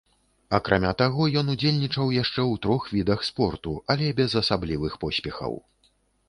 Акрамя таго, ён удзельнічаў яшчэ ў трох відах спорту, але без асаблівых поспехаў.